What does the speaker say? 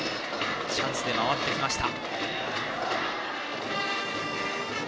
チャンスで回ってきました。